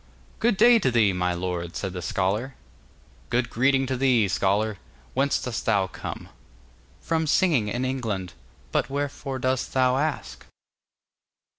'Good day to thee, my lord,' said the scholar. 'Good greeting to thee, scholar. Whence dost thou come?' 'From singing in England; but wherefore dost thou ask?